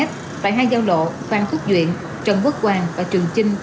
tại hai giao lộ phan thuất duyện trần quốc hoàng và trường chinh